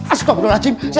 astaga beneran haji